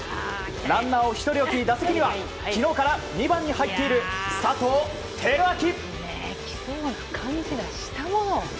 ランナーを１人置き、打席には昨日から２番に入っている佐藤輝明。